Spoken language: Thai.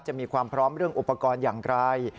มีความพร้อมเรื่องอุปกรณ์อย่างไร